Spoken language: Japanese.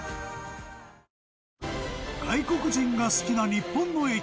外国人が好きな日本の駅